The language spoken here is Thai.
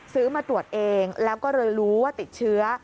มาตรวจเองแล้วก็เลยรู้ว่าติดเชื้อ